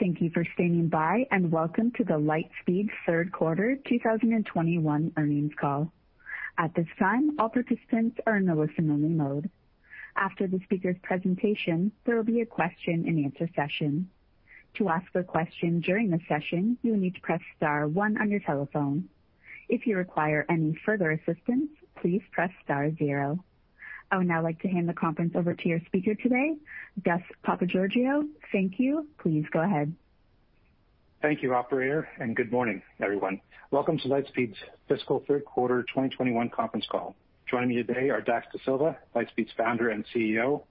Thank you for standing by, and welcome to the Lightspeed third quarter 2021 earnings call. At this time, all participants are in a listen-only mode. After the speaker's presentation, there will be a question and answer session. To ask a question during the session, you will need to press star one on your telephone. If you require any further assistance, please press star zero. I would now like to hand the conference over to your speaker today, Gus Papageorgiou. Thank you. Please go ahead. Thank you, operator. Good morning, everyone. Welcome to Lightspeed's fiscal third quarter 2021 conference call. Joining me today are Dax Dasilva, Lightspeed's Founder and CEO,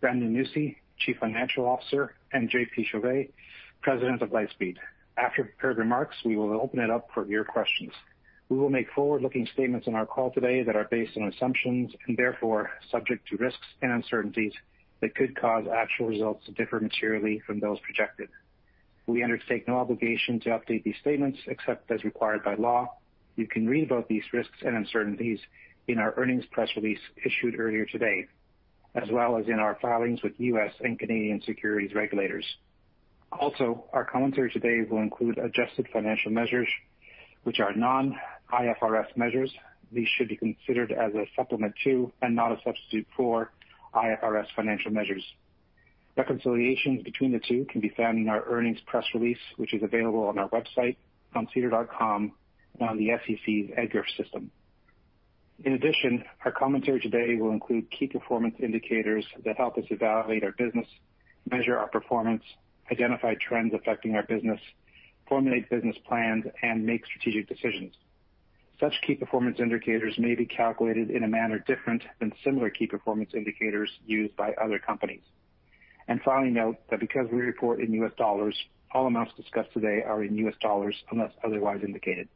Brandon Nussey, Chief Financial Officer, JP Chauvet, President of Lightspeed. After prepared remarks, we will open it up for your questions. We will make forward-looking statements on our call today that are based on assumptions, therefore, subject to risks and uncertainties that could cause actual results to differ materially from those projected. We undertake no obligation to update these statements except as required by law. You can read about these risks and uncertainties in our earnings press release issued earlier today, as well as in our filings with U.S. and Canadian securities regulators. Our commentary today will include adjusted financial measures, which are non-IFRS measures. These should be considered as a supplement to and not a substitute for IFRS financial measures. Reconciliations between the two can be found in our earnings press release, which is available on our website, on sedar.com, and on the SEC's EDGAR system. In addition, our commentary today will include key performance indicators that help us evaluate our business, measure our performance, identify trends affecting our business, formulate business plans, and make strategic decisions. Such key performance indicators may be calculated in a manner different than similar key performance indicators used by other companies. Finally, note that because we report in U.S. dollars, all amounts discussed today are in U.S. dollars unless otherwise indicated.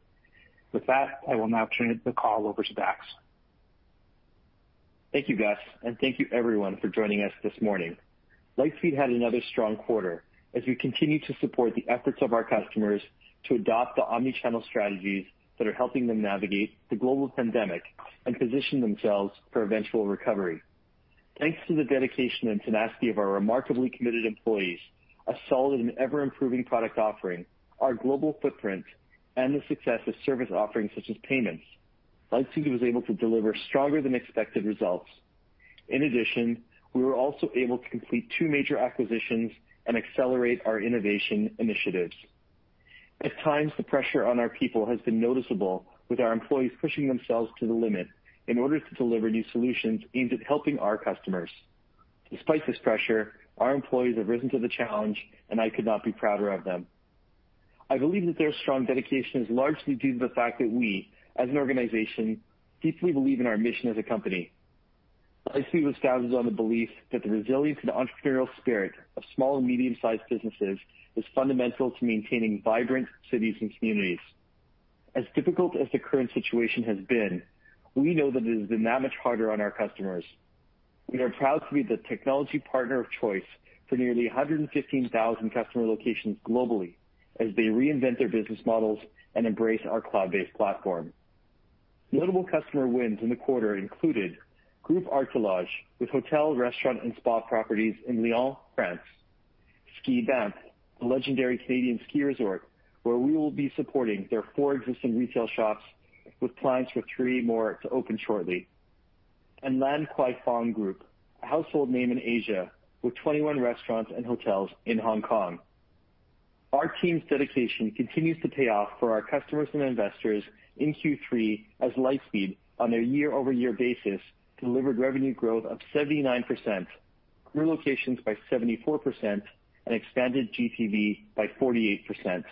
With that, I will now turn the call over to Dax. Thank you, Gus, and thank you everyone for joining us this morning. Lightspeed had another strong quarter as we continue to support the efforts of our customers to adopt the omni-channel strategies that are helping them navigate the global pandemic and position themselves for eventual recovery. Thanks to the dedication and tenacity of our remarkably committed employees, a solid and ever-improving product offering, our global footprint, and the success of service offerings such as payments, Lightspeed was able to deliver stronger than expected results. In addition, we were also able to complete two major acquisitions and accelerate our innovation initiatives. At times, the pressure on our people has been noticeable, with our employees pushing themselves to the limit in order to deliver new solutions aimed at helping our customers. Despite this pressure, our employees have risen to the challenge, and I could not be prouder of them. I believe that their strong dedication is largely due to the fact that we, as an organization, deeply believe in our mission as a company. Lightspeed was founded on the belief that the resilience and entrepreneurial spirit of small and medium-sized businesses is fundamental to maintaining vibrant cities and communities. As difficult as the current situation has been, we know that it has been that much harder on our customers. We are proud to be the technology partner of choice for nearly 115,000 customer locations globally as they reinvent their business models and embrace our cloud-based platform. Notable customer wins in the quarter included Group Alkalage, with hotel, restaurant, and spa properties in Lyon, France, SkiBig3, the legendary Canadian ski resort, where we will be supporting their four existing retail shops with plans for three more to open shortly, and Lan Kwai Fong Group, a household name in Asia with 21 restaurants and hotels in Hong Kong. Our team's dedication continues to pay off for our customers and investors in Q3 as Lightspeed, on a year-over-year basis, delivered revenue growth of 79%, grew locations by 74%, and expanded GPV by 48%.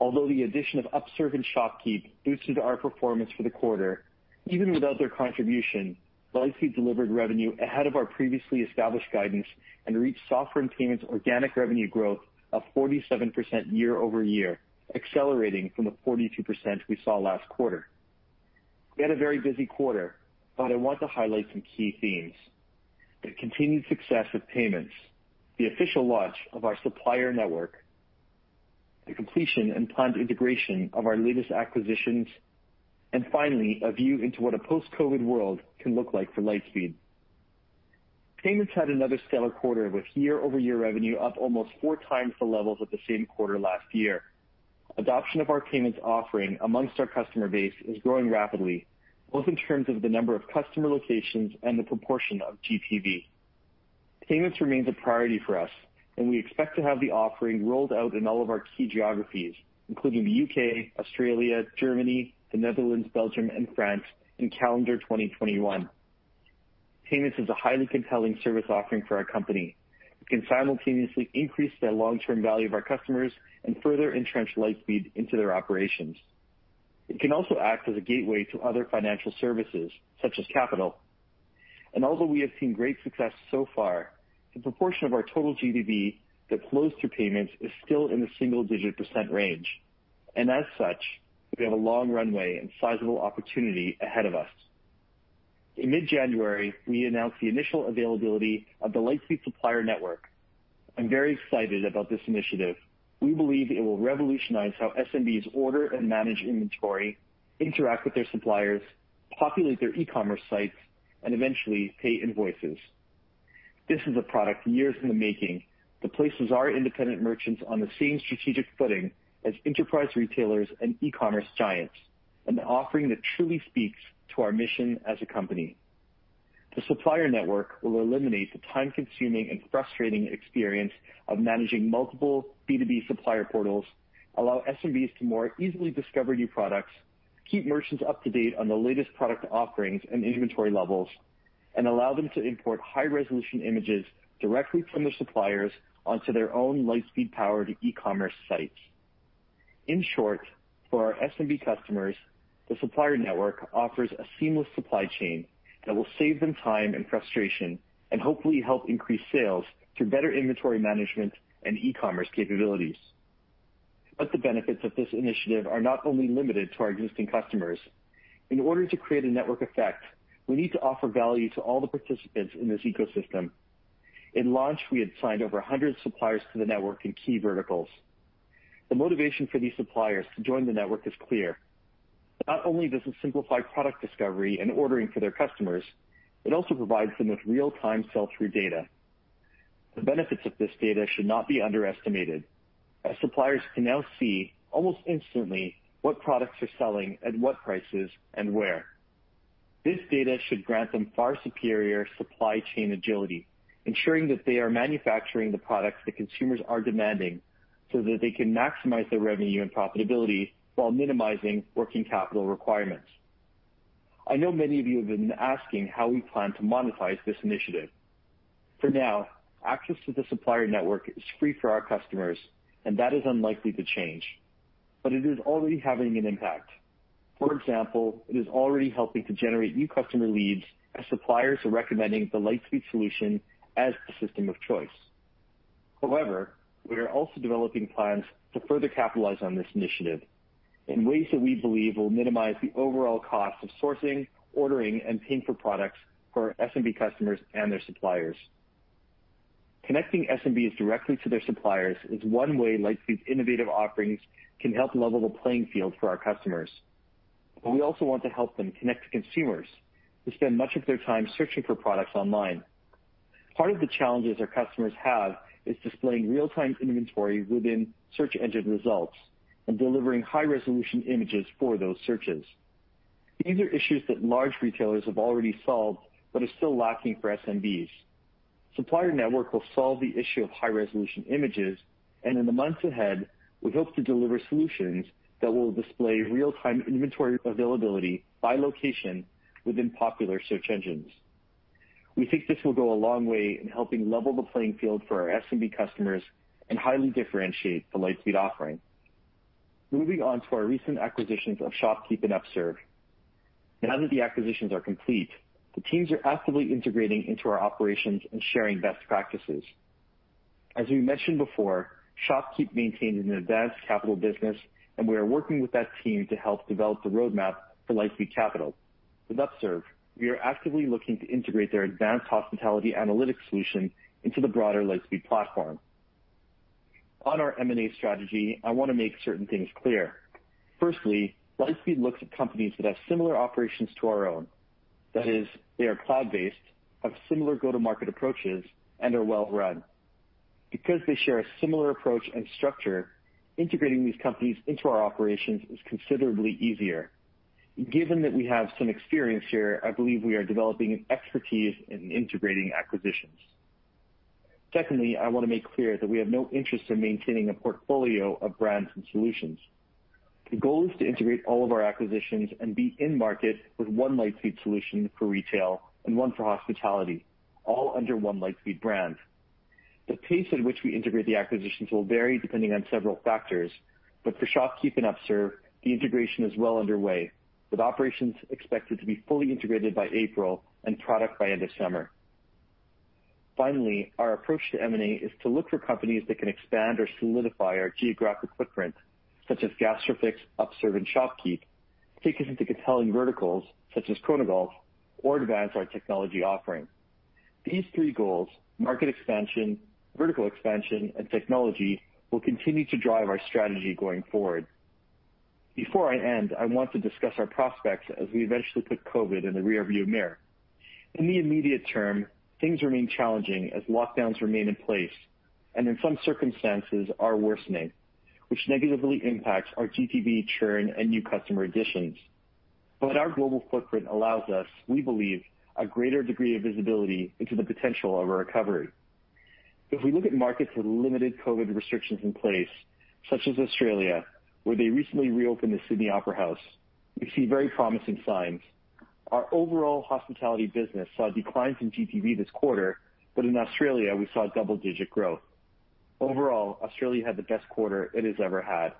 Although the addition of Upserve and ShopKeep boosted our performance for the quarter, even without their contribution, Lightspeed delivered revenue ahead of our previously established guidance and reached software and payments organic revenue growth of 47% year-over-year, accelerating from the 42% we saw last quarter. We had a very busy quarter, but I want to highlight some key themes. The continued success of payments, the official launch of our Supplier Network, the completion and planned integration of our latest acquisitions, and finally, a view into what a post-COVID world can look like for Lightspeed. Payments had another stellar quarter with year-over-year revenue up almost 4 times the levels of the same quarter last year. Adoption of our payments offering amongst our customer base is growing rapidly, both in terms of the number of customer locations and the proportion of GPV. Payments remains a priority for us, and we expect to have the offering rolled out in all of our key geographies, including the U.K., Australia, Germany, the Netherlands, Belgium, and France in calendar 2021. Payments is a highly compelling service offering for our company. It can simultaneously increase the long-term value of our customers and further entrench Lightspeed into their operations. It can also act as a gateway to other financial services, such as capital. Although we have seen great success so far, the proportion of our total GPV that flows through payments is still in the single-digit % range, and as such, we have a long runway and sizable opportunity ahead of us. In mid-January, we announced the initial availability of the Lightspeed Supplier Network. I'm very excited about this initiative. We believe it will revolutionize how SMBs order and manage inventory, interact with their suppliers, populate their e-commerce sites, and eventually pay invoices. This is a product years in the making that places our independent merchants on the same strategic footing as enterprise retailers and e-commerce giants, and an offering that truly speaks to our mission as a company. The Lightspeed Supplier Network will eliminate the time-consuming and frustrating experience of managing multiple B2B supplier portals, allow SMBs to more easily discover new products, keep merchants up to date on the latest product offerings and inventory levels, and allow them to import high-resolution images directly from their suppliers onto their own Lightspeed-powered e-commerce sites. In short, for our SMB customers, the Lightspeed Supplier Network offers a seamless supply chain that will save them time and frustration, and hopefully help increase sales through better inventory management and e-commerce capabilities. The benefits of this initiative are not only limited to our existing customers. In order to create a network effect, we need to offer value to all the participants in this ecosystem. In launch, we had signed over 100 suppliers to the Lightspeed Supplier Network in key verticals. The motivation for these suppliers to join the Lightspeed Supplier Network is clear. Not only does it simplify product discovery and ordering for their customers, it also provides them with real-time sell-through data. The benefits of this data should not be underestimated, as suppliers can now see almost instantly what products are selling at what prices and where. This data should grant them far superior supply chain agility, ensuring that they are manufacturing the products that consumers are demanding, so that they can maximize their revenue and profitability while minimizing working capital requirements. I know many of you have been asking how we plan to monetize this initiative. For now, access to the Lightspeed Supplier Network is free for our customers, and that is unlikely to change. It is already having an impact. For example, it is already helping to generate new customer leads as suppliers are recommending the Lightspeed solution as the system of choice. We are also developing plans to further capitalize on this initiative in ways that we believe will minimize the overall cost of sourcing, ordering, and paying for products for our SMB customers and their suppliers. Connecting SMBs directly to their suppliers is one way Lightspeed's innovative offerings can help level the playing field for our customers. We also want to help them connect to consumers, who spend much of their time searching for products online. Part of the challenges our customers have is displaying real-time inventory within search engine results and delivering high-resolution images for those searches. These are issues that large retailers have already solved but are still lacking for SMBs. Supplier Network will solve the issue of high-resolution images, and in the months ahead, we hope to deliver solutions that will display real-time inventory availability by location within popular search engines. We think this will go a long way in helping level the playing field for our SMB customers and highly differentiate the Lightspeed offering. Moving on to our recent acquisitions of ShopKeep and Upserve. Now that the acquisitions are complete, the teams are actively integrating into our operations and sharing best practices. As we mentioned before, ShopKeep maintains an advanced capital business, and we are working with that team to help develop the roadmap for Lightspeed Capital. With Upserve, we are actively looking to integrate their advanced hospitality analytics solution into the broader Lightspeed platform. On our M&A strategy, I want to make certain things clear. Firstly, Lightspeed looks at companies that have similar operations to our own. That is, they are cloud-based, have similar go-to-market approaches, and are well-run. Because they share a similar approach and structure, integrating these companies into our operations is considerably easier. Given that we have some experience here, I believe we are developing an expertise in integrating acquisitions. Secondly, I want to make clear that we have no interest in maintaining a portfolio of brands and solutions. The goal is to integrate all of our acquisitions and be in market with one Lightspeed solution for retail and one for hospitality, all under one Lightspeed brand. The pace at which we integrate the acquisitions will vary depending on several factors, but for ShopKeep and Upserve, the integration is well underway, with operations expected to be fully integrated by April and product by end of summer. Finally, our approach to M&A is to look for companies that can expand or solidify our geographic footprint, such as Gastrofix, Upserve, and ShopKeep, take us into compelling verticals such as Chronogolf or advance our technology offering. These three goals, market expansion, vertical expansion, and technology, will continue to drive our strategy going forward. Before I end, I want to discuss our prospects as we eventually put COVID in the rearview mirror. In the immediate term, things remain challenging as lockdowns remain in place, and in some circumstances are worsening, which negatively impacts our GPV churn and new customer additions. Our global footprint allows us, we believe, a greater degree of visibility into the potential of a recovery. If we look at markets with limited COVID restrictions in place, such as Australia, where they recently reopened the Sydney Opera House, we see very promising signs. Our overall hospitality business saw declines in GPV this quarter. In Australia, we saw double-digit growth. Overall, Australia had the best quarter it has ever had.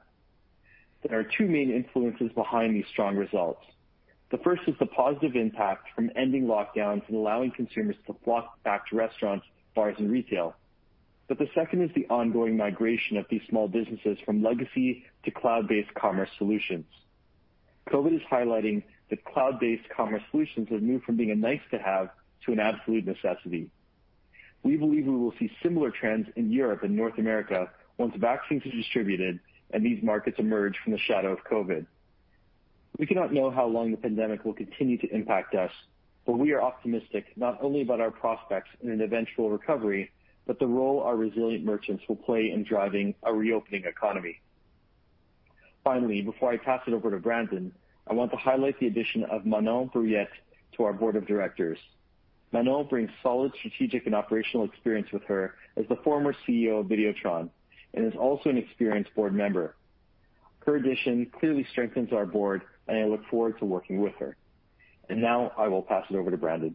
There are two main influences behind these strong results. The first is the positive impact from ending lockdowns and allowing consumers to flock back to restaurants, bars, and retail. The second is the ongoing migration of these small businesses from legacy to cloud-based commerce solutions. COVID is highlighting that cloud-based commerce solutions have moved from being a nice-to-have to an absolute necessity. We believe we will see similar trends in Europe and North America once vaccines are distributed and these markets emerge from the shadow of COVID. We cannot know how long the pandemic will continue to impact us, but we are optimistic not only about our prospects in an eventual recovery, but the role our resilient merchants will play in driving a reopening economy. Finally, before I pass it over to Brandon, I want to highlight the addition of Manon Brouillette to our Board of Directors. Manon brings solid strategic and operational experience with her as the former CEO of Videotron, and is also an experienced Board member. Her addition clearly strengthens our Board, and I look forward to working with her. Now I will pass it over to Brandon.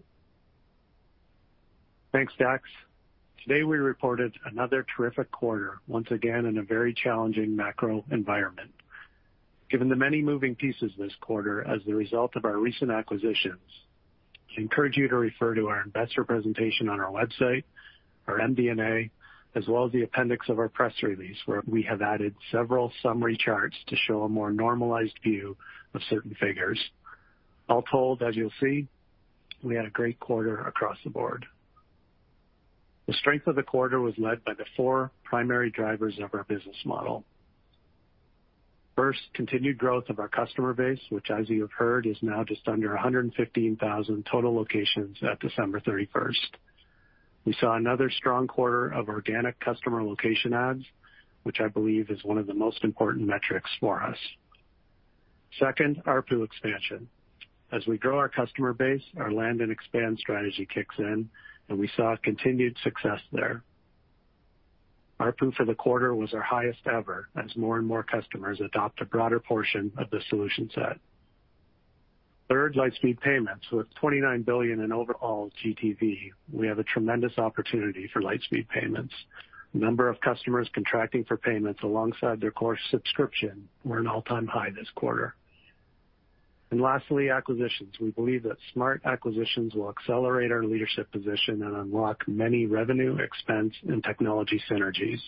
Thanks, Dax. Today, we reported another terrific quarter, once again, in a very challenging macro environment. Given the many moving pieces this quarter as the result of our recent acquisitions, I encourage you to refer to our investor presentation on our website, our MD&A, as well as the appendix of our press release, where we have added several summary charts to show a more normalized view of certain figures. All told, as you'll see, we had a great quarter across the board. The strength of the quarter was led by the four primary drivers of our business model. First, continued growth of our customer base, which as you have heard, is now just under 115,000 total locations at December 31st. We saw another strong quarter of organic customer location adds, which I believe is one of the most important metrics for us. Second, ARPU expansion. As we grow our customer base, our land and expand strategy kicks in, and we saw continued success there. ARPU for the quarter was our highest ever, as more and more customers adopt a broader portion of the solution set. Third, Lightspeed Payments. With $29 billion in overall GTV, we have a tremendous opportunity for Lightspeed Payments. The number of customers contracting for payments alongside their core subscription were an all-time high this quarter. Lastly, acquisitions. We believe that smart acquisitions will accelerate our leadership position and unlock many revenue, expense, and technology synergies.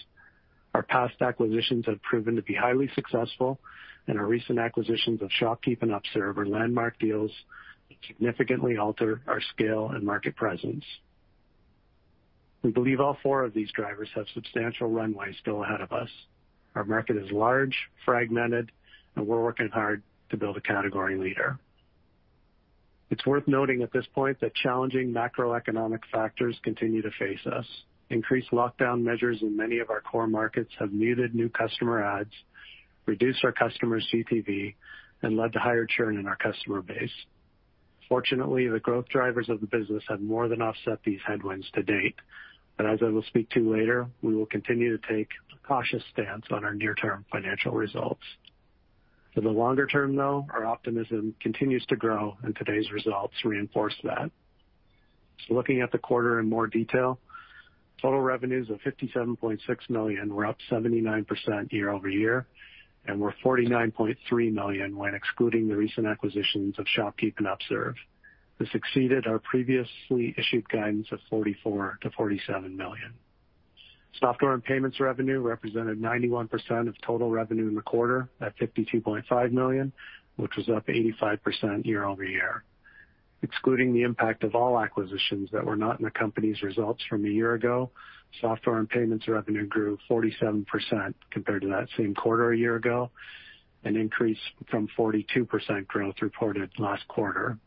Our past acquisitions have proven to be highly successful, and our recent acquisitions of ShopKeep and Upserve are landmark deals that significantly alter our scale and market presence. We believe all four of these drivers have substantial runways still ahead of us. Our market is large, fragmented, and we're working hard to build a category leader. It's worth noting at this point that challenging macroeconomic factors continue to face us. Increased lockdown measures in many of our core markets have muted new customer adds, reduced our customers' GTV, and led to higher churn in our customer base. Fortunately, the growth drivers of the business have more than offset these headwinds to date. As I will speak to later, we will continue to take a cautious stance on our near-term financial results. For the longer term, though, our optimism continues to grow, and today's results reinforce that. Looking at the quarter in more detail, total revenues of $57.6 million were up 79% year-over-year, and were $49.3 million when excluding the recent acquisitions of ShopKeep and Upserve. This exceeded our previously issued guidance of $44million-$47 million. Software and payments revenue represented 91% of total revenue in the quarter at $52.5 million, which was up 85% year-over-year. Excluding the impact of all acquisitions that were not in the company's results from a year ago, software and payments revenue grew 47% compared to that same quarter a year ago, an increase from 42% growth reported last quarter.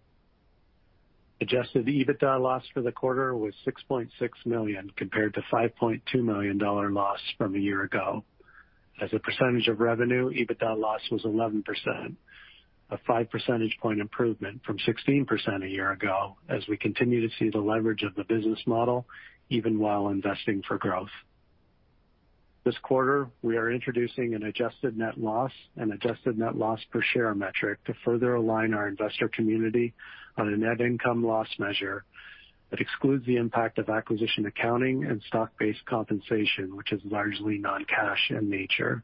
Adjusted EBITDA loss for the quarter was $6.6 million, compared to a $5.2 million loss from a year ago. As a percentage of revenue, EBITDA loss was 11%, a five percentage point improvement from 16% a year ago, as we continue to see the leverage of the business model even while investing for growth. This quarter, we are introducing an adjusted net loss and adjusted net loss per share metric to further align our investor community on a net income loss measure that excludes the impact of acquisition accounting and stock-based compensation, which is largely non-cash in nature.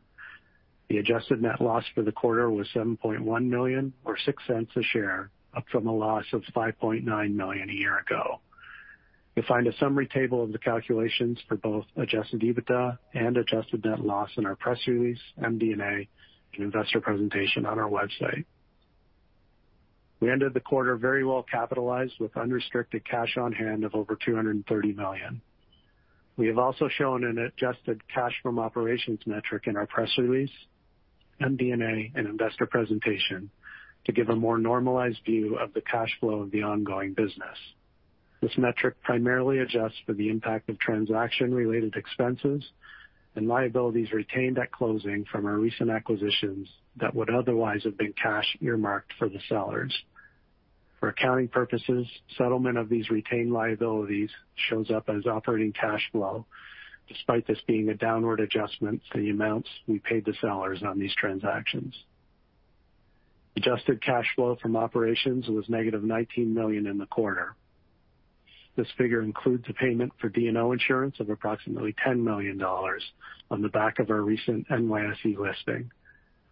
The adjusted net loss for the quarter was $7.1 million or $0.06 a share, up from a loss of $5.9 million a year ago. You'll find a summary table of the calculations for both adjusted EBITDA and adjusted net loss in our press release, MD&A, and investor presentation on our website. We ended the quarter very well capitalized with unrestricted cash on hand of over $230 million. We have also shown an adjusted cash from operations metric in our press release, MD&A, and investor presentation to give a more normalized view of the cash flow of the ongoing business. This metric primarily adjusts for the impact of transaction-related expenses and liabilities retained at closing from our recent acquisitions that would otherwise have been cash earmarked for the sellers. For accounting purposes, settlement of these retained liabilities shows up as operating cash flow, despite this being a downward adjustment to the amounts we paid the sellers on these transactions. Adjusted cash flow from operations was -$19 million in the quarter. This figure includes a payment for D&O insurance of approximately $10 million on the back of our recent NYSE listing.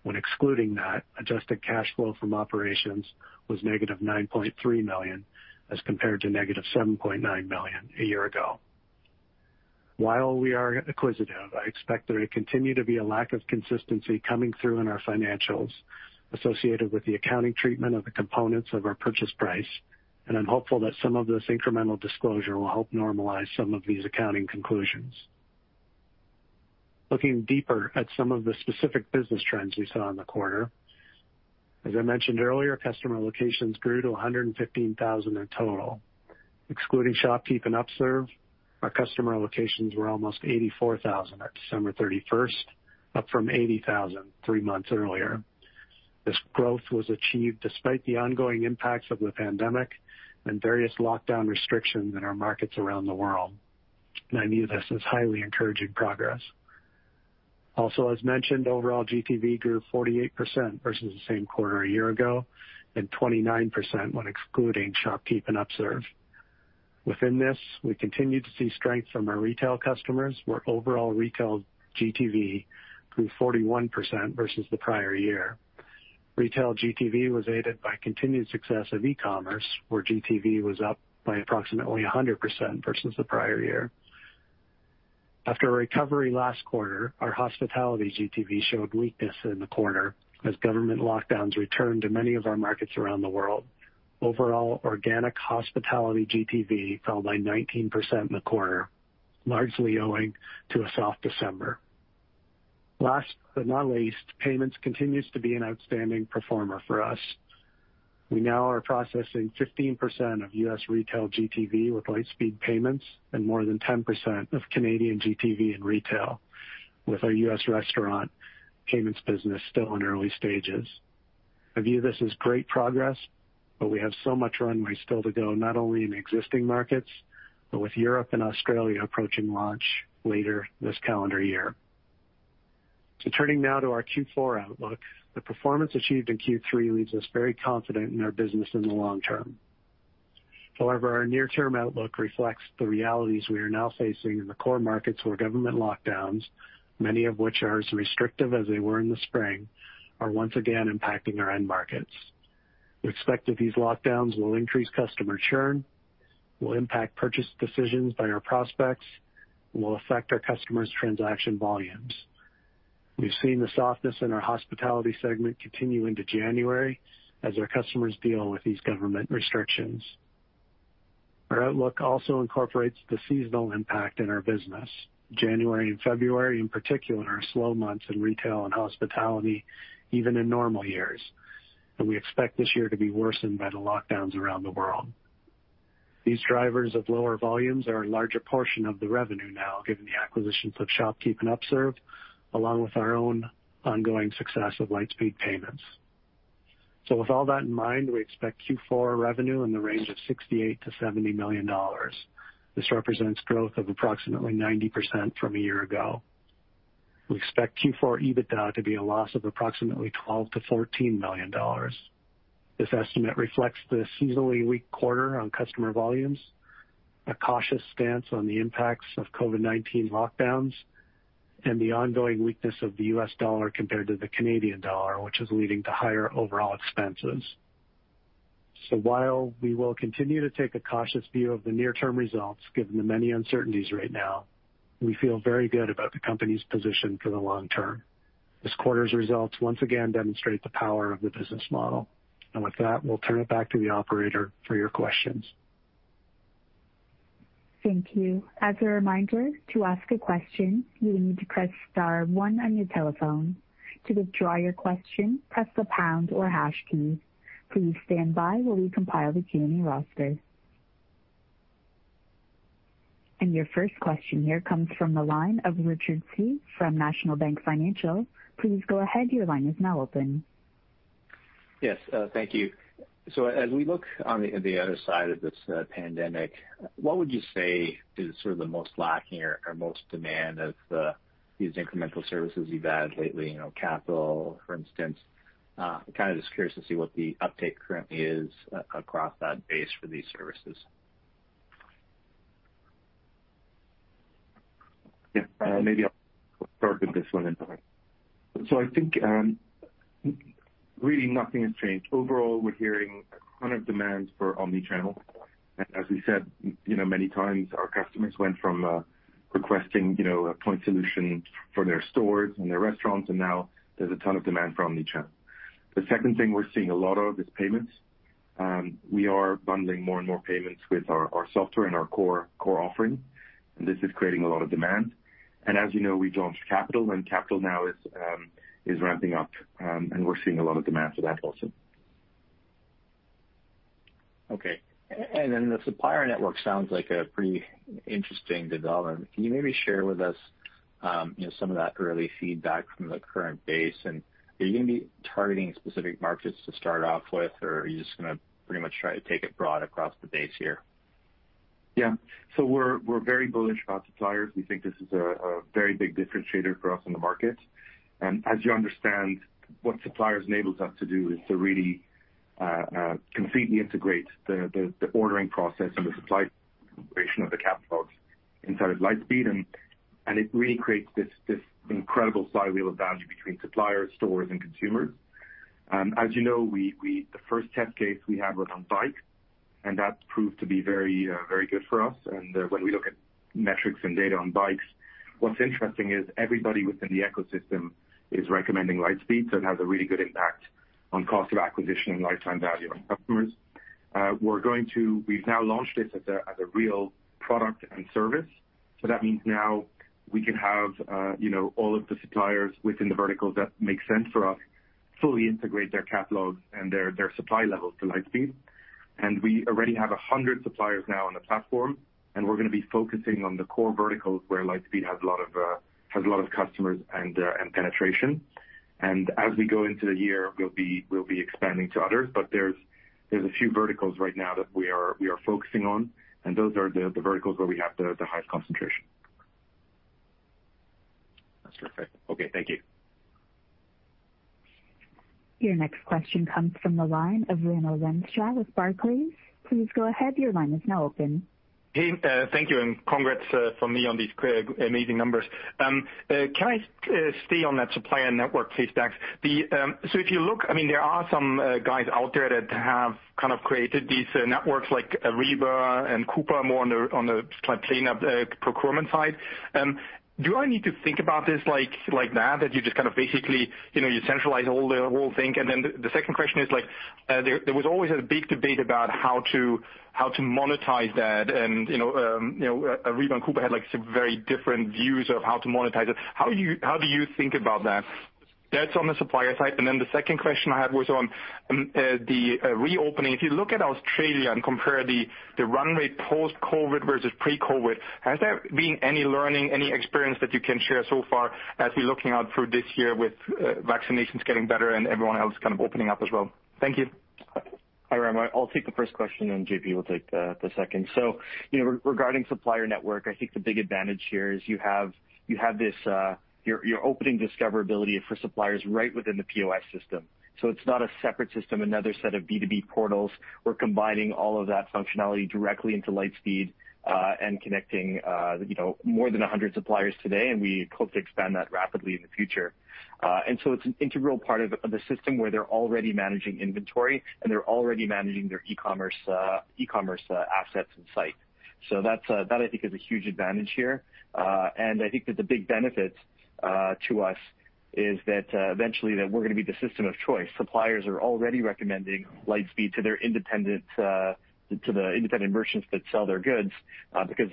When excluding that, adjusted cash flow from operations was -$9.3 million as compared to -$7.9 million a year ago. While we are acquisitive, I expect there to continue to be a lack of consistency coming through in our financials associated with the accounting treatment of the components of our purchase price, and I am hopeful that some of this incremental disclosure will help normalize some of these accounting conclusions. Looking deeper at some of the specific business trends we saw in the quarter, as I mentioned earlier, customer locations grew to 115,000 in total. Excluding ShopKeep and Upserve, our customer locations were almost 84,000 at December 31st, up from 80,000 three months earlier. This growth was achieved despite the ongoing impacts of the pandemic and various lockdown restrictions in our markets around the world, and I view this as highly encouraging progress. As mentioned, overall GTV grew 48% versus the same quarter a year ago, and 29% when excluding ShopKeep and Upserve. Within this, we continued to see strength from our retail customers, where overall retail GTV grew 41% versus the prior year. Retail GTV was aided by continued success of e-commerce, where GTV was up by approximately 100% versus the prior year. After a recovery last quarter, our hospitality GTV showed weakness in the quarter as government lockdowns returned to many of our markets around the world. Overall, organic hospitality GTV fell by 19% in the quarter, largely owing to a soft December. Last but not least, payments continues to be an outstanding performer for us. We now are processing 15% of U.S. retail GTV with Lightspeed Payments and more than 10% of Canadian GTV in retail, with our U.S. restaurant payments business still in early stages. I view this as great progress, but we have so much runway still to go, not only in existing markets, but with Europe and Australia approaching launch later this calendar year. Turning now to our Q4 outlook, the performance achieved in Q3 leaves us very confident in our business in the long term. However, our near-term outlook reflects the realities we are now facing in the core markets where government lockdowns, many of which are as restrictive as they were in the spring, are once again impacting our end markets. We expect that these lockdowns will increase customer churn, will impact purchase decisions by our prospects, and will affect our customers' transaction volumes. We've seen the softness in our hospitality segment continue into January as our customers deal with these government restrictions. Our outlook also incorporates the seasonal impact in our business. January and February in particular are slow months in retail and hospitality, even in normal years. We expect this year to be worsened by the lockdowns around the world. These drivers of lower volumes are a larger portion of the revenue now, given the acquisitions of ShopKeep and Upserve, along with our own ongoing success of Lightspeed Payments. With all that in mind, we expect Q4 revenue in the range of $68 million-$70 million. This represents growth of approximately 90% from a year ago. We expect Q4 EBITDA to be a loss of approximately $12 million-$14 million. This estimate reflects the seasonally weak quarter on customer volumes, a cautious stance on the impacts of COVID-19 lockdowns, and the ongoing weakness of the U.S. dollar compared to the Canadian dollar, which is leading to higher overall expenses. While we will continue to take a cautious view of the near-term results, given the many uncertainties right now, we feel very good about the company's position for the long term. This quarter's results once again demonstrate the power of the business model. With that, we'll turn it back to the operator for your questions. Thank you. Your first question here comes from the line of Richard Tse from National Bank Financial. Please go ahead, your line is now open. Yes. Thank you. As we look on the other side of this pandemic, what would you say is sort of the most lacking or most demand of these incremental services you've added lately, capital, for instance? Kind of just curious to see what the uptake currently is across that base for these services. Yeah. Maybe I'll start with this one. I think really nothing has changed. Overall, we're hearing a ton of demand for omni-channel. As we said many times, our customers went from requesting a point solution for their stores and their restaurants, and now there's a ton of demand for omni-channel. The second thing we're seeing a lot of is payments. We are bundling more and more payments with our software and our core offering, and this is creating a lot of demand. As you know, we launched Capital, and Capital now is ramping up, and we're seeing a lot of demand for that also. Okay. The Supplier Network sounds like a pretty interesting development. Can you maybe share with us some of that early feedback from the current base, and are you going to be targeting specific markets to start off with, or are you just going to pretty much try to take it broad across the base here? Yeah. We're very bullish about suppliers. We think this is a very big differentiator for us in the market. As you understand, what suppliers enables us to do is to really completely integrate the ordering process and the supply creation of the catalogs inside of Lightspeed. It really creates this incredible flywheel of value between suppliers, stores, and consumers. As you know, the first test case we had was on bikes, and that proved to be very good for us. When we look at metrics and data on bikes, what's interesting is everybody within the ecosystem is recommending Lightspeed, so it has a really good impact on cost of acquisition and lifetime value on customers. We've now launched it as a real product and service. That means now we can have all of the suppliers within the verticals that make sense for us, fully integrate their catalogs and their supply levels to Lightspeed. We already have 100 suppliers now on the platform, and we're going to be focusing on the core verticals where Lightspeed has a lot of customers and penetration. As we go into the year, we'll be expanding to others. There's a few verticals right now that we are focusing on, and those are the verticals where we have the highest concentration. That's perfect. Okay. Thank you. Your next question comes from the line of Raimo Lenschow with Barclays. Please go ahead. Your line is now open. Hey, thank you, and congrats from me on these amazing numbers. Can I stay on that Supplier Network, please, Dax? If you look, there are some guys out there that have kind of created these networks like Ariba and Coupa, more on the cleanup procurement side. Do I need to think about this like that? That you just kind of basically centralize the whole thing? The second question is, there was always a big debate about how to monetize that and Ariba and Coupa had some very different views of how to monetize it. How do you think about that? That's on the supplier side. The second question I had was on the reopening. If you look at Australia and compare the runway post-COVID versus pre-COVID, has there been any learning, any experience that you can share so far as we're looking out through this year with vaccinations getting better and everyone else kind of opening up as well? Thank you. Hi, Raimo. I'll take the first question. JP will take the second. Regarding Supplier Network, I think the big advantage here is you're opening discoverability for suppliers right within the POS system. It's not a separate system, another set of B2B portals. We're combining all of that functionality directly into Lightspeed, connecting more than 100 suppliers today. We hope to expand that rapidly in the future. It's an integral part of the system where they're already managing inventory and they're already managing their e-commerce assets and site. That I think is a huge advantage here. I think that the big benefit to us is that eventually that we're going to be the system of choice. Suppliers are already recommending Lightspeed to the independent merchants that sell their goods, because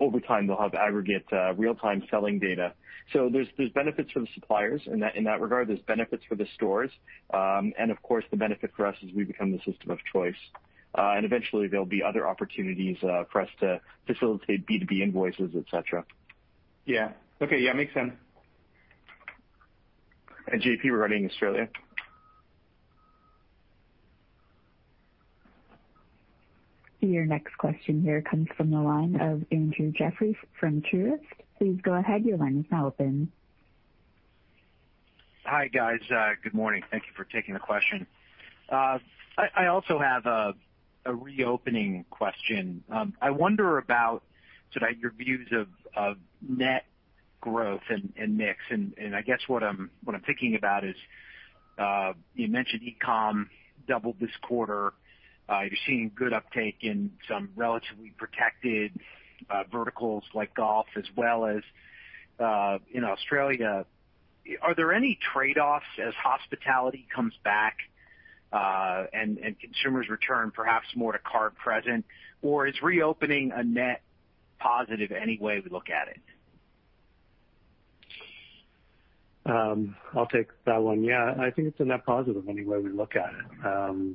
over time they'll have aggregate real-time selling data. There's benefits for the suppliers in that regard. There's benefits for the stores. Of course, the benefit for us is we become the system of choice. Eventually there'll be other opportunities for us to facilitate B2B invoices, et cetera. Yeah. Okay. Yeah, makes sense. JP, regarding Australia. Your next question here comes from the line of Andrew Jeffrey from Truist. Please go ahead. Your line is now open. Hi, guys. Good morning. Thank you for taking the question. I also have a reopening question. I wonder about sort of your views of net growth and mix. I guess what I'm thinking about is, you mentioned e-com doubled this quarter. You're seeing good uptake in some relatively protected verticals like golf as well as in Australia. Are there any trade-offs as hospitality comes back, and consumers return perhaps more to card present, or is reopening a net positive any way we look at it? I'll take that one. Yeah, I think it's a net positive any way we look at it.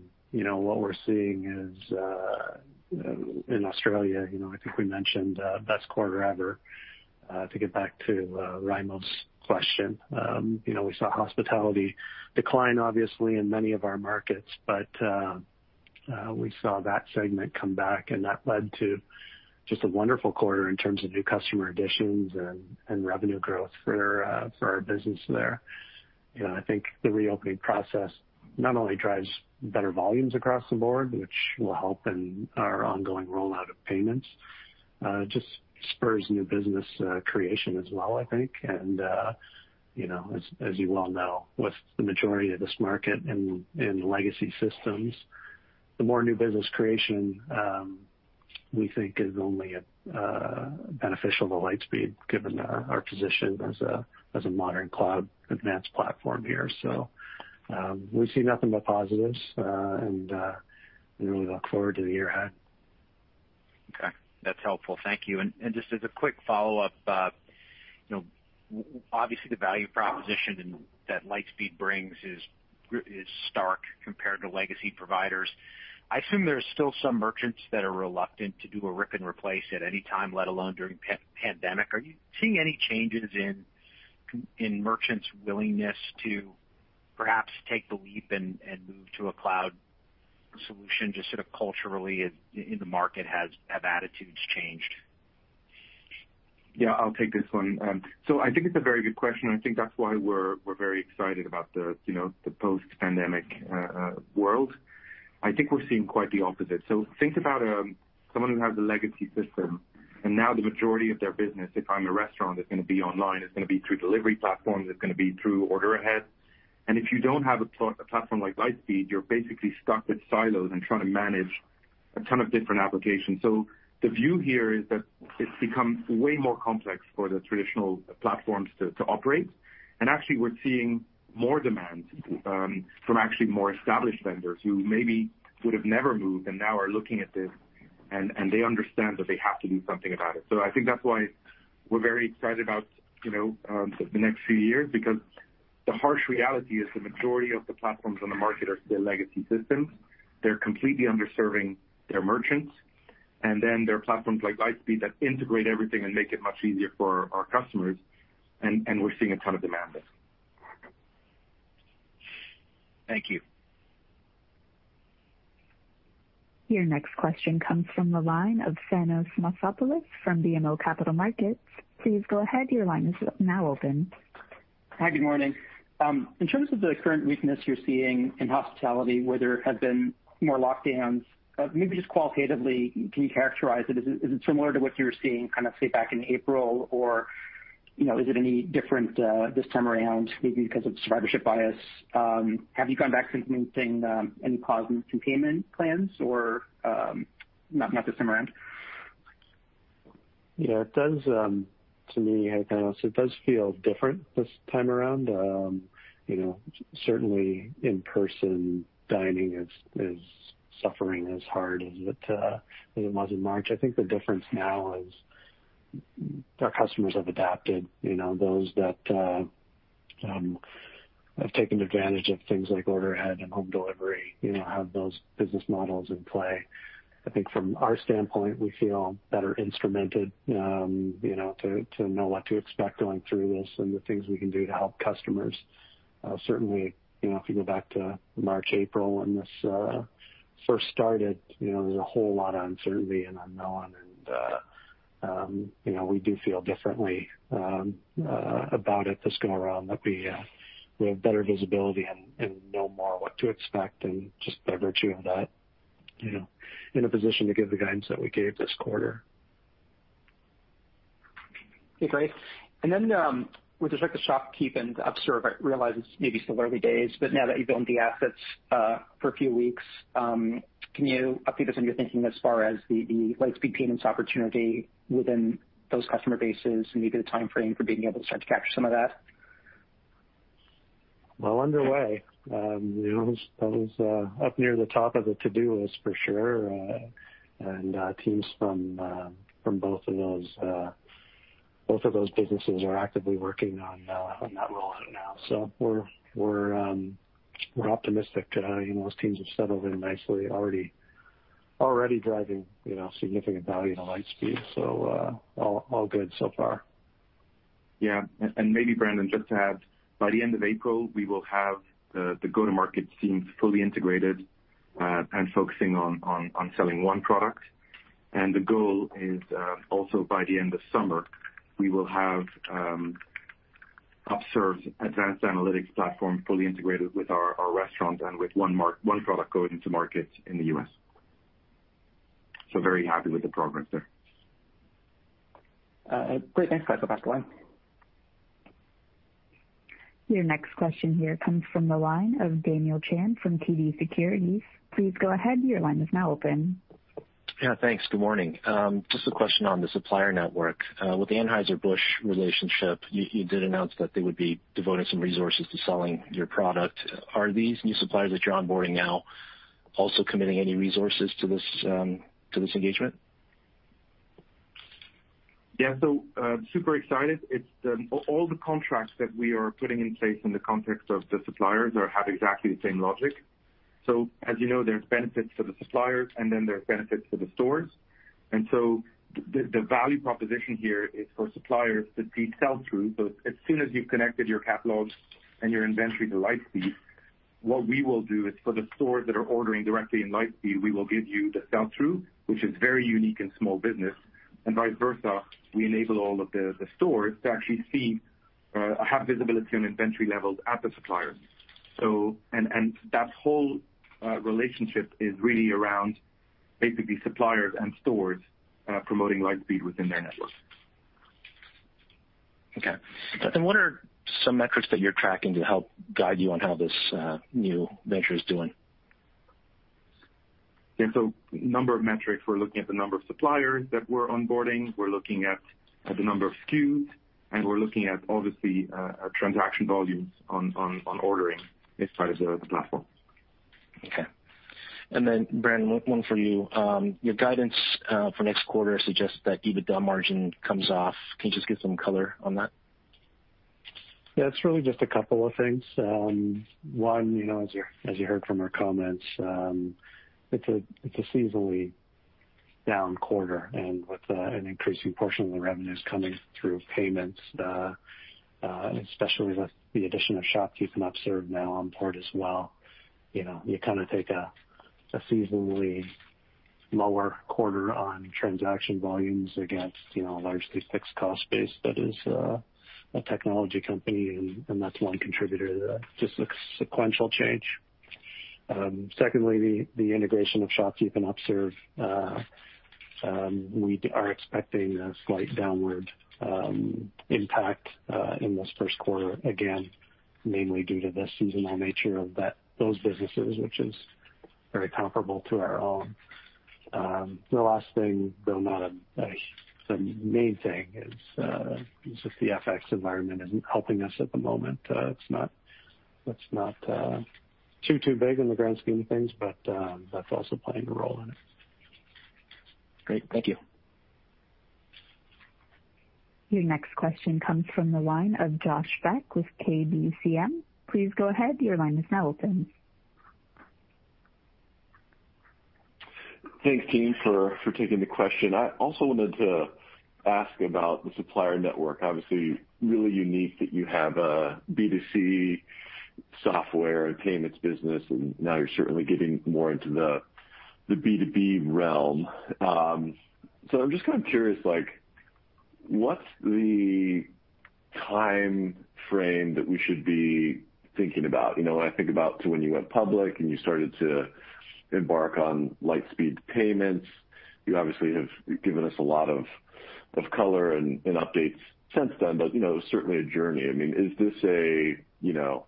What we're seeing is, in Australia, I think we mentioned best quarter ever, to get back to Raimo's question. We saw hospitality decline obviously in many of our markets, but we saw that segment come back, and that led to just a wonderful quarter in terms of new customer additions and revenue growth for our business there. I think the reopening process not only drives better volumes across the board, which will help in our ongoing rollout of payments. It just spurs new business creation as well, I think. As you well know, with the majority of this market in legacy systems, the more new business creation, we think is only beneficial to Lightspeed given our position as a modern cloud advanced platform here. We see nothing but positives, and we really look forward to the year ahead. Okay. That's helpful. Thank you. Just as a quick follow-up, obviously the value proposition that Lightspeed brings is stark compared to legacy providers. I assume there's still some merchants that are reluctant to do a rip and replace at any time, let alone during pandemic. Are you seeing any changes in merchants' willingness to perhaps take the leap and move to a cloud solution, just sort of culturally in the market, have attitudes changed? Yeah, I'll take this one. I think it's a very good question. I think that's why we're very excited about the post-pandemic world. I think we're seeing quite the opposite. Think about someone who has a legacy system, and now the majority of their business, if I'm a restaurant, it's going to be online, it's going to be through delivery platforms, it's going to be through Order Ahead. If you don't have a platform like Lightspeed, you're basically stuck with silos and trying to manage a ton of different applications. The view here is that it's become way more complex for the traditional platforms to operate. Actually, we're seeing more demand from actually more established vendors who maybe would have never moved and now are looking at this, and they understand that they have to do something about it. I think that's why we're very excited about the next few years, because the harsh reality is the majority of the platforms on the market are still legacy systems. They're completely under-serving their merchants. Then there are platforms like Lightspeed that integrate everything and make it much easier for our customers, and we're seeing a ton of demand there. Thank you. Your next question comes from the line of Thanos Moschopoulos from BMO Capital Markets. Please go ahead, your line is now open. Hi, good morning. In terms of the current weakness you're seeing in hospitality, where there have been more lockdowns, maybe just qualitatively, can you characterize it? Is it similar to what you were seeing say, back in April? Is it any different this time around maybe because of survivorship bias? Have you gone back to implementing any pause in payment plans or not this time around? Yeah, to me, Thanos, it does feel different this time around. Certainly, in-person dining is suffering as hard as it was in March. I think the difference now is our customers have adapted. Those that have taken advantage of things like Order Ahead and Home Delivery have those business models in play. I think from our standpoint, we feel better instrumented to know what to expect going through this and the things we can do to help customers. Certainly, if you go back to March, April, when this first started, there was a whole lot of uncertainty and unknown and we do feel differently about it this go around, that we have better visibility and know more what to expect, and just by virtue of that in a position to give the guidance that we gave this quarter. Okay, great. With respect to ShopKeep and Upserve, I realize it's maybe still early days, but now that you've owned the assets for a few weeks, can you update us on your thinking as far as the Lightspeed Payments opportunity within those customer bases and maybe the timeframe for being able to start to capture some of that? Well underway. That was up near the top of the to-do list for sure. Teams from both of those businesses are actively working on that rollout now. We're optimistic. Those teams have settled in nicely, already driving significant value to Lightspeed. All good so far. Yeah, maybe Brandon, just to add, by the end of April, we will have the go-to-market teams fully integrated and focusing on selling one product. The goal is also by the end of summer, we will have Upserve's advanced analytics platform fully integrated with our restaurant and with one product going into market in the U.S. So very happy with the progress there. Great. Thanks, guys. Back to line. Your next question here comes from the line of Daniel Chan from TD Securities. Please go ahead, your line is now open. Yeah, thanks. Good morning. Just a question on the Lightspeed Supplier Network. With the Anheuser-Busch relationship, you did announce that they would be devoting some resources to selling your product. Are these new suppliers that you're onboarding now also committing any resources to this engagement? Super excited. All the contracts that we are putting in place in the context of the suppliers have exactly the same logic. As you know, there's benefits for the suppliers and then there are benefits for the stores. The value proposition here is for suppliers to see sell-through. As soon as you've connected your catalogs and your inventory to Lightspeed, what we will do is for the stores that are ordering directly in Lightspeed, we will give you the sell-through, which is very unique in small business, and vice versa, we enable all of the stores to actually see or have visibility on inventory levels at the supplier. That whole relationship is really around basically suppliers and stores promoting Lightspeed within their networks. Okay. What are some metrics that you're tracking to help guide you on how this new venture is doing? Yeah, a number of metrics. We are looking at the number of suppliers that we are onboarding. We are looking at the number of SKUs, and we are looking at obviously, our transaction volumes on ordering as part of the platform. Okay. Brandon, one for you. Your guidance for next quarter suggests that EBITDA margin comes off. Can you just give some color on that? Yeah, it is really just a couple of things. One, as you heard from our comments, it is a seasonally down quarter, and with an increasing portion of the revenues coming through payments, especially with the addition of ShopKeep and Upserve now on board as well. You kind of take a seasonally lower quarter on transaction volumes against a largely fixed cost base that is a technology company, and that is one contributor to the just sequential change. Secondly, the integration of ShopKeep and Upserve, we are expecting a slight downward impact in this first quarter, again, mainly due to the seasonal nature of those businesses, which is very comparable to our own. The last thing, though not a main thing, is just the FX environment isn't helping us at the moment. It's not too big in the grand scheme of things, that's also playing a role in it. Great. Thank you. Your next question comes from the line of Josh Beck with KBCM. Please go ahead. Your line is now open. Thanks, team, for taking the question. I also wanted to ask about the Supplier Network. Obviously, really unique that you have a B2C software and payments business, and now you're certainly getting more into the B2B realm. I'm just curious, what's the timeframe that we should be thinking about? When I think about to when you went public and you started to embark on Lightspeed Payments, you obviously have given us a lot of color and updates since then, but certainly a journey. Is this a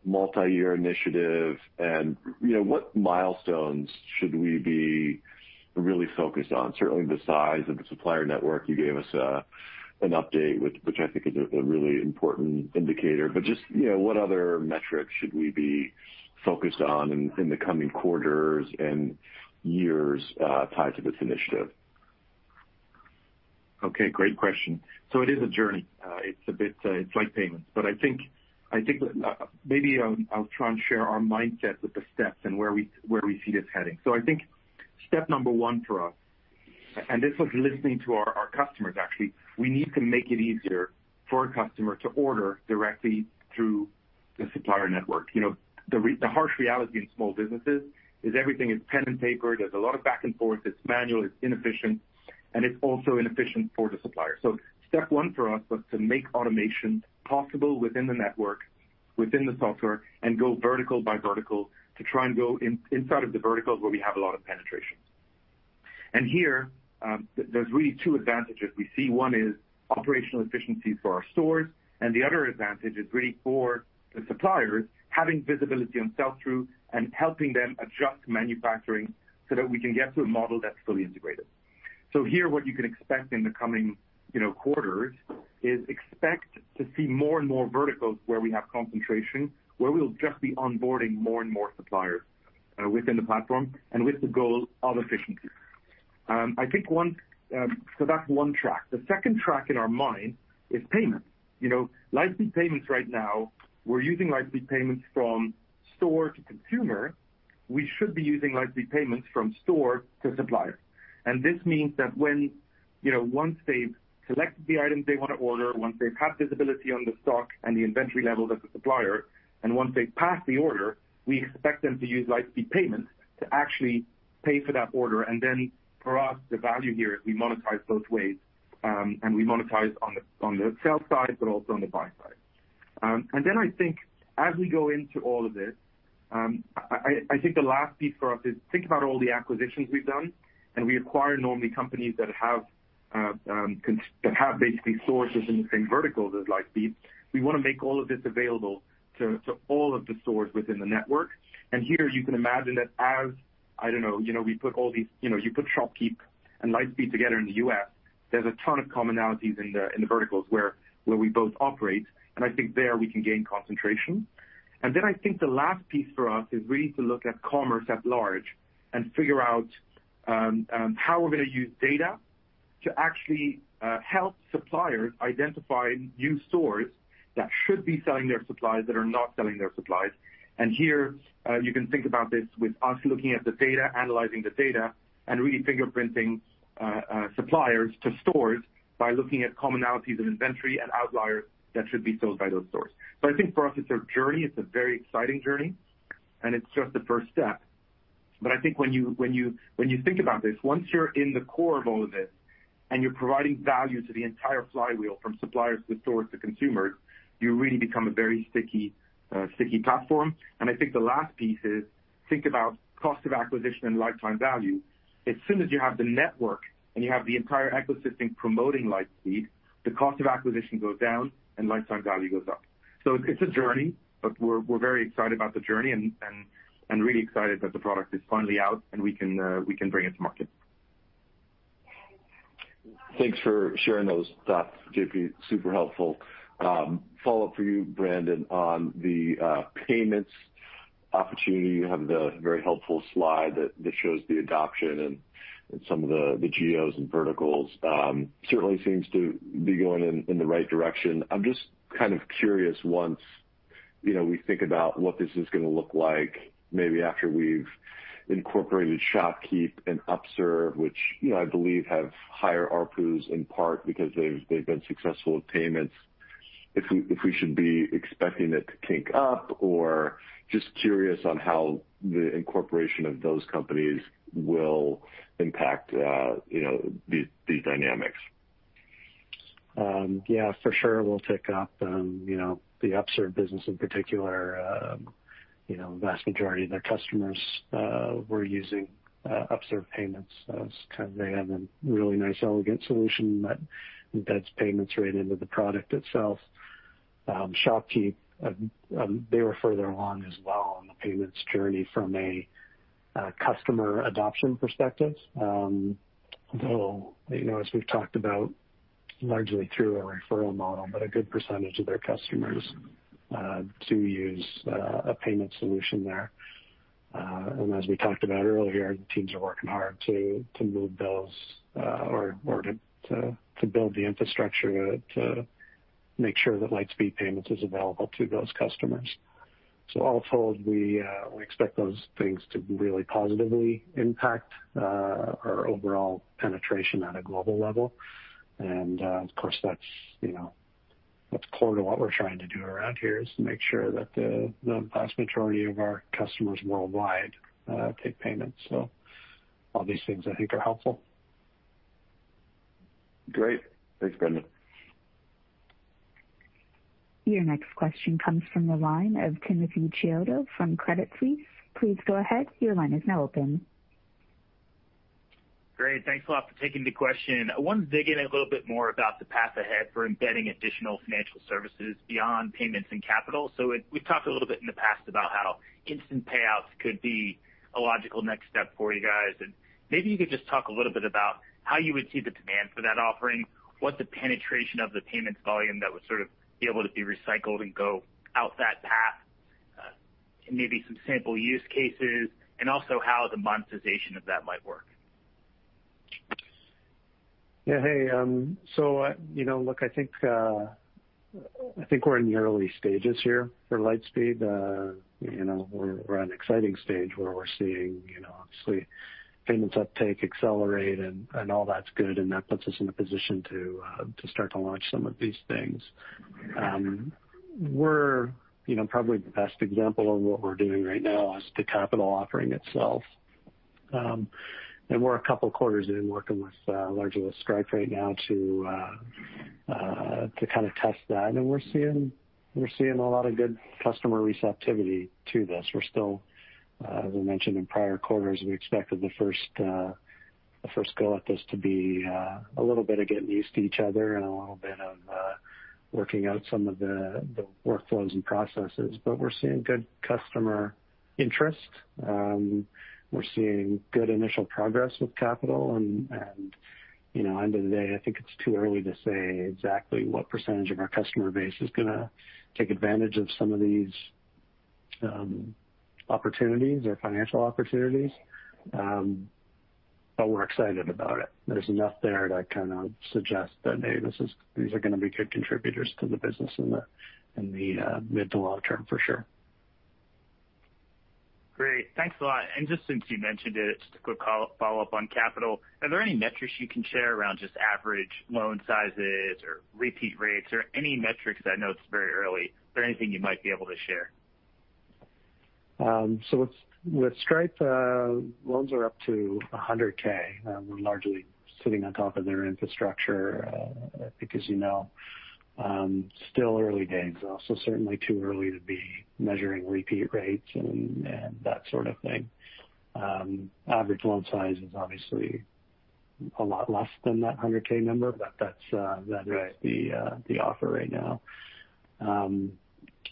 multi-year initiative, and what milestones should we be really focused on? Certainly the size of the Supplier Network, you gave us an update, which I think is a really important indicator. Just what other metrics should we be focused on in the coming quarters and years tied to this initiative? Okay, great question. It is a journey. I think maybe I'll try and share our mindset with the steps and where we see this heading. I think step number one for us, and this was listening to our customers, actually, we need to make it easier for a customer to order directly through the Lightspeed Supplier Network. The harsh reality in small businesses is everything is pen and paper. There's a lot of back and forth. It's manual, it's inefficient, and it's also inefficient for the supplier. Step 1 for us was to make automation possible within the network, within the software, and go vertical by vertical to try and go inside of the verticals where we have a lot of penetration. Here, there's really two advantages we see. One is operational efficiency for our stores. The other advantage is really for the suppliers, having visibility on sell-through and helping them adjust manufacturing so that we can get to a model that's fully integrated. Here, what you can expect in the coming quarters is expect to see more and more verticals where we have concentration, where we'll just be onboarding more and more suppliers within the platform and with the goal of efficiency. That's one track. The second track in our mind is payment. Lightspeed Payments right now, we're using Lightspeed Payments from store to consumer. We should be using Lightspeed Payments from store to supplier. This means that once they've selected the items they want to order, once they've had visibility on the stock and the inventory level of the supplier, and once they pass the order, we expect them to use Lightspeed Payments to actually pay for that order. For us, the value here is we monetize both ways, and we monetize on the sell side, but also on the buy side. I think as we go into all of this, I think the last piece for us is think about all the acquisitions we've done, and we acquire normally companies that have basically sources in the same verticals as Lightspeed. We want to make all of this available to all of the stores within the network. Here you can imagine that as, I don't know, you put ShopKeep and Lightspeed together in the U.S., there's a ton of commonalities in the verticals where we both operate, and I think there we can gain concentration. I think the last piece for us is really to look at commerce at large and figure out how we're going to use data to actually help suppliers identify new stores that should be selling their supplies that are not selling their supplies. Here, you can think about this with us looking at the data, analyzing the data, and really fingerprinting suppliers to stores by looking at commonalities of inventory and outliers that should be sold by those stores. I think for us, it's a journey. It's a very exciting journey, and it's just the first step. I think when you think about this, once you're in the core of all of this and you're providing value to the entire flywheel from suppliers to stores to consumers, you really become a very sticky platform. I think the last piece is, think about cost of acquisition and lifetime value. As soon as you have the network and you have the entire ecosystem promoting Lightspeed, the cost of acquisition goes down and lifetime value goes up. It's a journey, but we're very excited about the journey and really excited that the product is finally out, and we can bring it to market. Thanks for sharing those thoughts, JP. Super helpful. Follow-up for you, Brandon, on the payments opportunity. You have the very helpful slide that shows the adoption and some of the geos and verticals. Certainly seems to be going in the right direction. I'm just kind of curious, once we think about what this is going to look like, maybe after we've incorporated ShopKeep and Upserve, which I believe have higher ARPUs in part because they've been successful with payments, if we should be expecting it to kink up or just curious on how the incorporation of those companies will impact these dynamics. Yeah, for sure we'll take up the Upserve business in particular. The vast majority of their customers were using Upserve Payments as they have a really nice, elegant solution that embeds payments right into the product itself. ShopKeep, they were further along as well on the payments journey from a customer adoption perspective. Though, as we've talked about largely through a referral model, but a good percentage of their customers do use a payment solution there. As we talked about earlier, the teams are working hard to build the infrastructure to make sure that Lightspeed Payments is available to those customers. All told, we expect those things to really positively impact our overall penetration at a global level. Of course that's core to what we're trying to do around here is to make sure that the vast majority of our customers worldwide take payments. All these things I think are helpful. Great. Thanks, Brandon. Your next question comes from the line of Timothy Chiodo from Credit Suisse. Please go ahead. Great. Thanks a lot for taking the question. I wanted to dig in a little bit more about the path ahead for embedding additional financial services beyond payments and capital. We've talked a little bit in the past about how instant payouts could be a logical next step for you guys. Maybe you could just talk a little bit about how you would see the demand for that offering, what the penetration of the payments volume that would sort of be able to be recycled and go out that path, and maybe some sample use cases, and also how the monetization of that might work. Hey, look, I think we're in the early stages here for Lightspeed. We're at an exciting stage where we're seeing obviously payments uptake accelerate and all that's good, that puts us in a position to start to launch some of these things. Probably the best example of what we're doing right now is the capital offering itself. We're a couple quarters in working with largely with Stripe right now to kind of test that. We're seeing a lot of good customer receptivity to this. As we mentioned in prior quarters, we expected the first go at this to be a little bit of getting used to each other and a little bit of working out some of the workflows and processes. We're seeing good customer interest. We're seeing good initial progress with capital and end of the day, I think it's too early to say exactly what percentage of our customer base is going to take advantage of some of these opportunities or financial opportunities. We're excited about it. There's enough there to kind of suggest that, hey, these are going to be good contributors to the business in the mid to long term for sure. Great. Thanks a lot. Just since you mentioned it, just a quick follow-up on capital. Are there any metrics you can share around just average loan sizes or repeat rates or any metrics? I know it's very early. Is there anything you might be able to share? With Stripe, loans are up to $100K. We're largely sitting on top of their infrastructure because still early days. Certainly too early to be measuring repeat rates and that sort of thing. Average loan size is obviously a lot less than that $100K number the offer right now.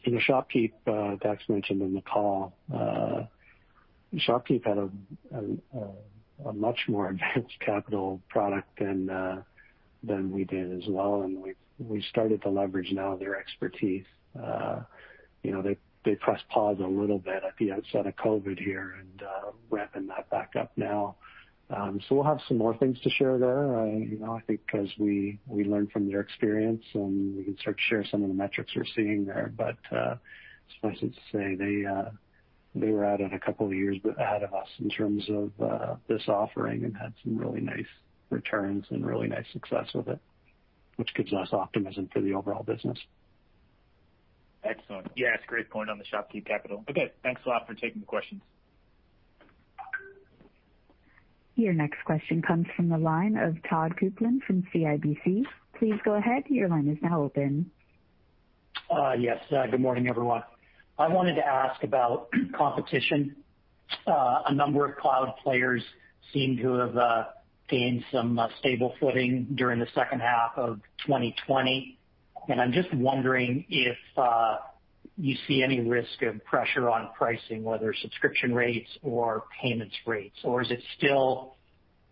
In the ShopKeep, Dax mentioned in the call, ShopKeep had a much more advanced capital product than we did as well. We've started to leverage now their expertise. They pressed pause a little bit at the onset of COVID here and we're ramping that back up now. We'll have some more things to share there, I think as we learn from their experience and we can start to share some of the metrics we're seeing there. Suffice it to say, they were out at two years ahead of us in terms of this offering and had some really nice returns and really nice success with it, which gives us optimism for the overall business. Excellent. Yeah, that's a great point on the ShopKeep capital. Okay. Thanks a lot for taking the questions. Your next question comes from the line of Todd Coupland from CIBC. Please go ahead, your line is now open. Yes. Good morning, everyone. I wanted to ask about competition. A number of cloud players seem to have gained some stable footing during the second half of 2020, and I'm just wondering if you see any risk of pressure on pricing, whether subscription rates or payments rates, or is it still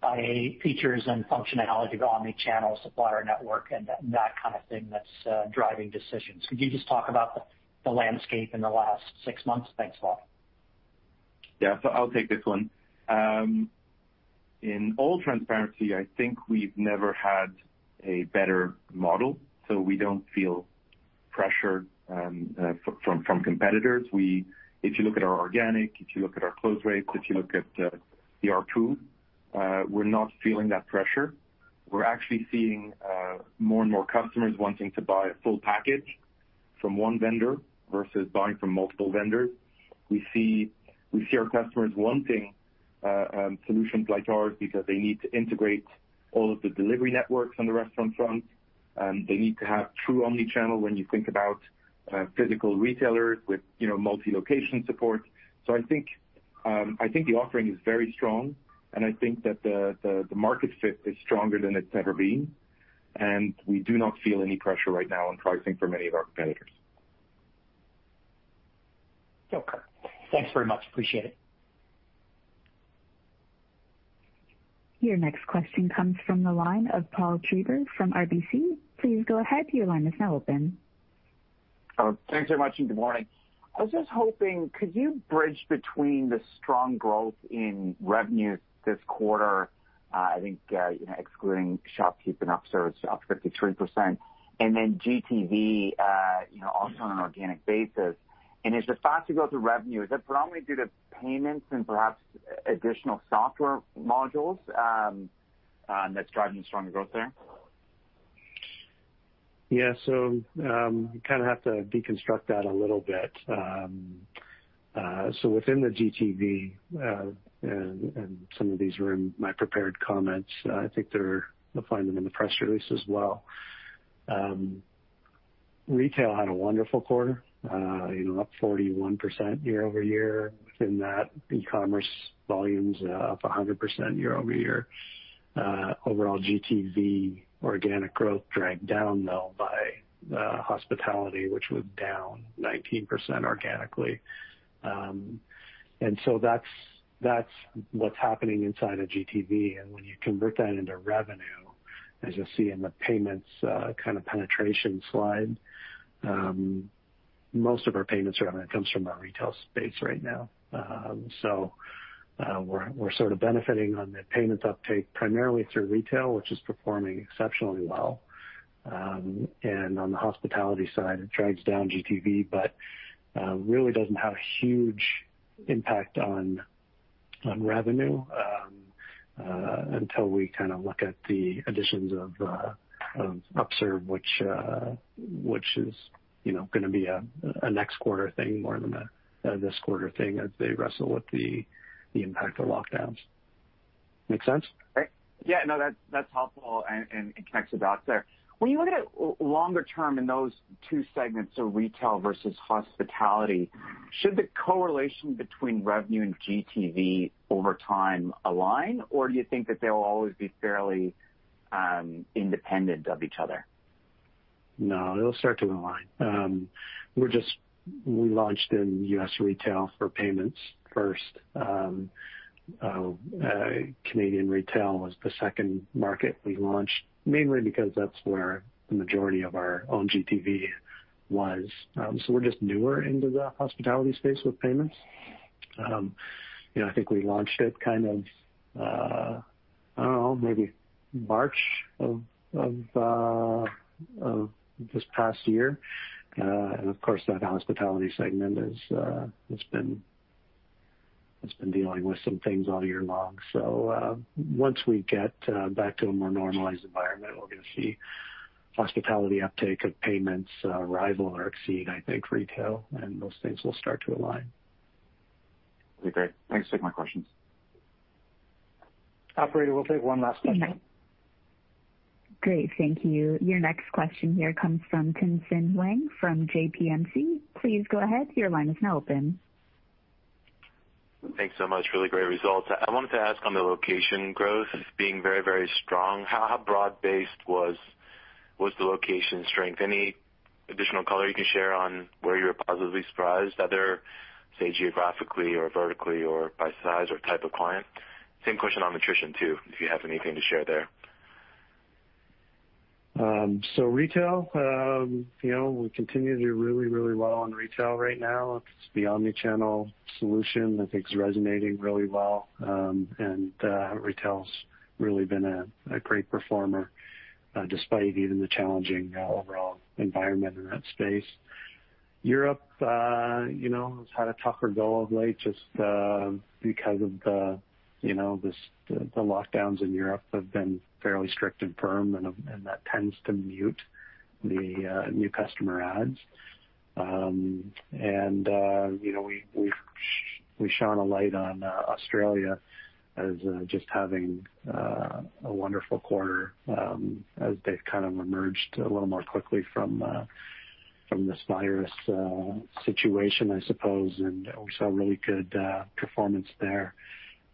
by features and functionality, the omni-channel supplier network and that kind of thing that's driving decisions? Could you just talk about the landscape in the last six months? Thanks a lot. Yeah. I'll take this one. In all transparency, I think we've never had a better model, we don't feel pressure from competitors. If you look at our organic, if you look at our close rates, if you look at the ARPU, we're not feeling that pressure. We're actually seeing more and more customers wanting to buy a full package. From one vendor versus buying from multiple vendors. We see our customers wanting solutions like ours because they need to integrate all of the delivery networks on the restaurant front. They need to have true omni-channel when you think about physical retailers with multi-location support. I think the offering is very strong, and I think that the market fit is stronger than it's ever been. We do not feel any pressure right now on pricing from any of our competitors. Okay. Thanks very much. Appreciate it. Your next question comes from the line of Paul Treiber from RBC. Please go ahead. Your line is now open. Thanks very much, and good morning. I was just hoping, could you bridge between the strong growth in revenue this quarter, I think excluding ShopKeep and Upserve is up 53%, and then GTV also on an organic basis? As the faster growth of revenue, is that predominantly due to payments and perhaps additional software modules that's driving the strong growth there? Yeah. You kind of have to deconstruct that a little bit. Within the GTV, and some of these were in my prepared comments, I think you'll find them in the press release as well. Retail had a wonderful quarter, up 41% year-over-year. Within that, e-commerce volume's up 100% year-over-year. Overall GTV organic growth dragged down, though, by hospitality, which was down 19% organically. That's what's happening inside of GTV. When you convert that into revenue, as you'll see in the payments kind of penetration slide, most of our payments revenue comes from our retail space right now. We're sort of benefiting on the payments uptake primarily through retail, which is performing exceptionally well. On the hospitality side, it drags down GTV, but really doesn't have a huge impact on revenue until we kind of look at the additions of Upserve, which is going to be a next quarter thing more than a this quarter thing as they wrestle with the impact of lockdowns. Make sense? Great. Yeah, no, that's helpful and it connects the dots there. When you look at it longer term in those two segments of retail versus hospitality, should the correlation between revenue and GTV over time align, or do you think that they'll always be fairly independent of each other? No, it'll start to align. We launched in U.S. retail for payments first. Canadian retail was the second market we launched, mainly because that's where the majority of our own GTV was. We're just newer into the hospitality space with payments. I think we launched it kind of, I don't know, maybe March of this past year. Of course, that hospitality segment has been dealing with some things all year long. Once we get back to a more normalized environment, we're going to see hospitality uptake of payments rival or exceed, I think, retail, and those things will start to align. Okay, great. Thanks for taking my questions. Operator, we'll take one last question. Great. Thank you. Your next question here comes from Tien-Tsin Huang from JPMorgan Chase & Co. Please go ahead. Your line is now open. Thanks so much. Really great results. I wanted to ask on the location growth being very, very strong, how broad-based was the location strength? Any additional color you can share on where you're positively surprised, either, say, geographically or vertically or by size or type of client? Same question on attrition, too, if you have anything to share there. Retail, we continue to do really, really well on retail right now. It's the omni-channel solution I think is resonating really well. Retail's really been a great performer despite even the challenging overall environment in that space. Europe has had a tougher go of late just because of the lockdowns in Europe have been fairly strict and firm, and that tends to mute the new customer adds. We shone a light on Australia as just having a wonderful quarter as they've kind of emerged a little more quickly from this virus situation, I suppose, and we saw really good performance there.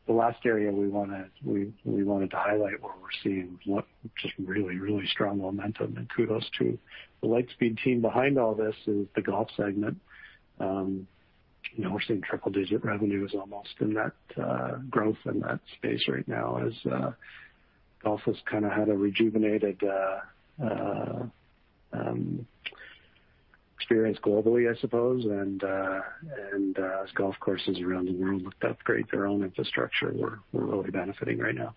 The last area we wanted to highlight where we're seeing just really, really strong momentum, and kudos to the Lightspeed team behind all this, is the golf segment. We're seeing triple-digit revenues almost in that growth in that space right now as golf has kind of had a rejuvenated experience globally, I suppose. As golf courses around the world look to upgrade their own infrastructure, we're really benefiting right now.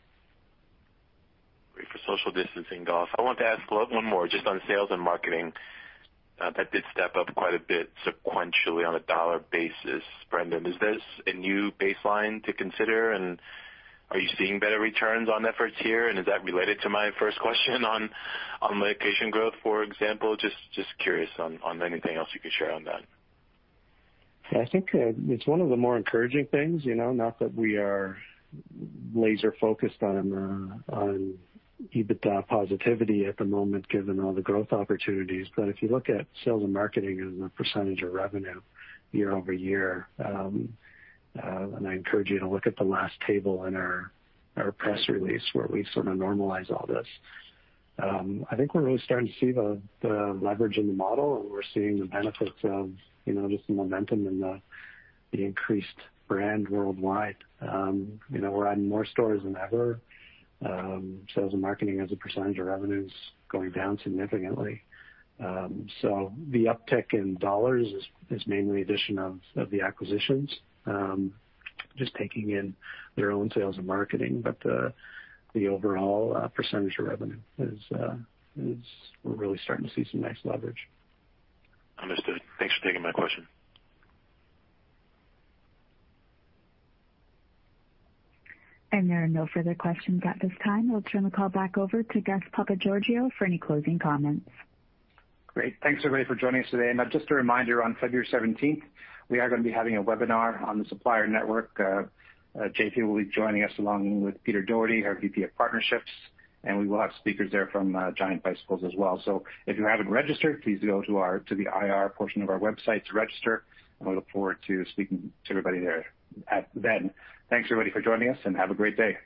Great for social distancing, golf. I wanted to ask one more just on sales and marketing. That did step up quite a bit sequentially on a dollar basis, Brandon. Is this a new baseline to consider? Are you seeing better returns on efforts here? Is that related to my first question on location growth, for example? Just curious on anything else you could share on that. I think it's one of the more encouraging things. Not that we are laser-focused on EBITDA positivity at the moment given all the growth opportunities. If you look at sales and marketing as a percentage of revenue year-over-year, I encourage you to look at the last table in our press release where we sort of normalize all this. I think we're really starting to see the leverage in the model, we're seeing the benefits of just the momentum and the increased brand worldwide. We're adding more stores than ever. Sales and marketing as a percentage of revenue is going down significantly. The uptick in dollars is mainly addition of the acquisitions just taking in their own sales and marketing. The overall percentage of revenue is we're really starting to see some nice leverage. Understood. Thanks for taking my question. There are no further questions at this time. We'll turn the call back over to Gus Papageorgiou for any closing comments. Great. Thanks, everybody, for joining us today. Just a reminder, on February 17th, we are going to be having a webinar on the Supplier Network. JP will be joining us along with Peter Dougherty, our VP of Partnerships, and we will have speakers there from Giant Bicycles as well. If you haven't registered, please go to the IR portion of our website to register, and we look forward to speaking to everybody there then. Thanks, everybody, for joining us, and have a great day.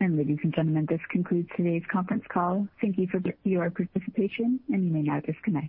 Ladies and gentlemen, this concludes today's conference call. Thank you for your participation, and you may now disconnect.